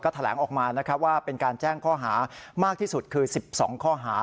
แถลงออกมานะครับว่าเป็นการแจ้งข้อหามากที่สุดคือ๑๒ข้อหา